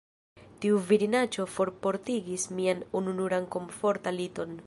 Tiu virinaĉo forportigis mian ununuran komfortan liton.